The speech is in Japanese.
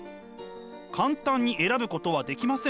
簡単に選ぶことはできません。